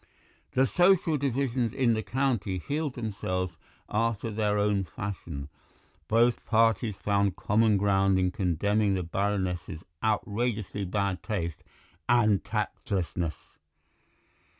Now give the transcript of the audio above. The social divisions in the County healed themselves after their own fashion; both parties found common ground in condemning the Baroness's outrageously bad taste and tactlessness.